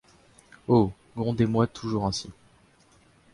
Oh ! grondez-moi toujours ainsi.